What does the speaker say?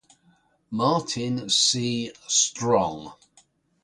Martin C. Strong.